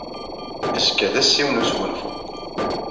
Azekka d ass-inu n wesgunfu.